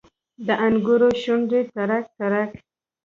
د انګورو شونډې ترک، ترک